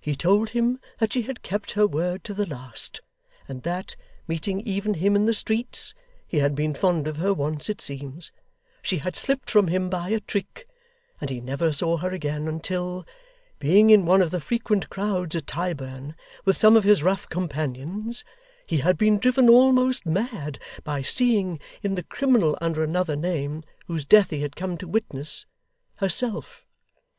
He told him that she had kept her word to the last; and that, meeting even him in the streets he had been fond of her once, it seems she had slipped from him by a trick, and he never saw her again, until, being in one of the frequent crowds at Tyburn, with some of his rough companions, he had been driven almost mad by seeing, in the criminal under another name, whose death he had come to witness, herself.